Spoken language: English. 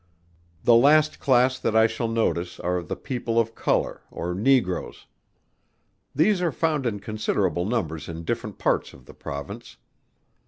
The last class that I shall notice are the people of Colour, or Negroes. These are found in considerable numbers in different parts of the Province.